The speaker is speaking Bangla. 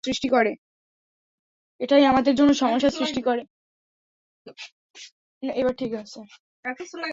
এটাই আমাদের জন্য সমস্যা সৃষ্টি করে।